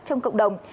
trong cộng đồng